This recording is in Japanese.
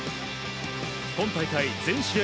今大会全試合